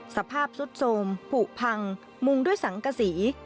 สภาพสุดโทรมผูกพังมุงด้วยสังกษี